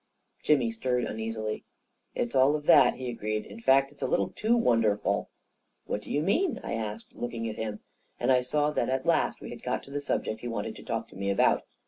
Jimmy stirred uneasily. " It's all of that," he agreed. " In fact, it's a little too wonderful !"" What do you mean ?" I asked, looking at him ; and I saw that at last we had got to the subject he wanted to talk to me about.